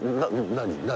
何？